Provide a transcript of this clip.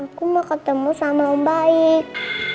aku mau ketemu sama baik